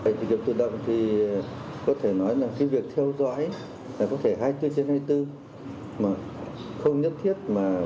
thì kiếp tự động thì có thể nói là khi việc theo dõi là có thể hai mươi bốn trên hai mươi bốn mà không nhất thiết mà